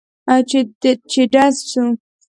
چې ډز سو.